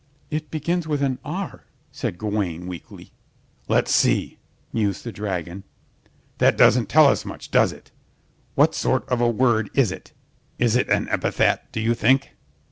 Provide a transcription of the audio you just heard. "It begins with an 'r,'" said Gawaine weakly. "Let's see," mused the dragon, "that doesn't tell us much, does it? What sort of a word is this? Is it an epithet, do you think?"